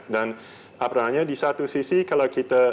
dan apalagi di satu sisi kalau kita